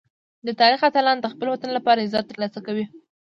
د تاریخ اتلان د خپل وطن لپاره عزت ترلاسه کوي.